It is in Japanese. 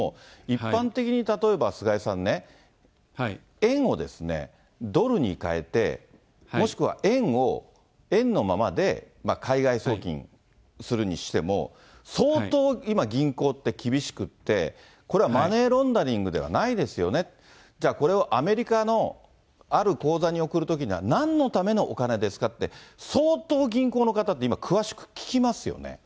一般的に、例えば菅井さんね、円をドルに替えて、もしくは、円を円のままで、海外送金するにしても、相当今、銀行って厳しくって、これはマネーロンダリングではないですよね、じゃあ、これをアメリカのある口座に送るときには、なんのためのお金ですかって、相当、銀行の方って今、詳しく聞きますよね。